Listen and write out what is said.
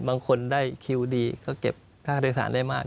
บางคนได้คิวดีก็เก็บค่าโดยสารได้มาก